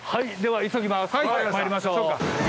まいりましょう。